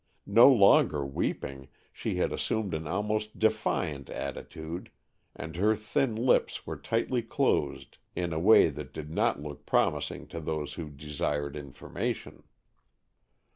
No longer weeping, she had assumed an almost defiant attitude, and her thin lips were tightly closed in a way that did not look promising to those who desired information.